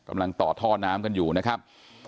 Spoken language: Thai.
กำลังต่อท่อน้ำกันอยู่นะครับ